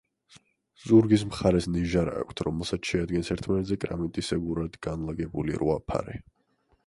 ზურგის მხარეს ნიჟარა აქვთ, რომელსაც შეადგენს ერთმანეთზე კრამიტისებურად განლაგებული რვა ფარი.